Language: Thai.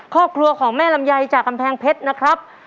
ครอบครัวของแม่ลำไยจากกำแพงเพชรนะครับ